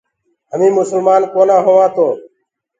هميٚنٚ مسلمآن ڪونآ هووآنٚ تو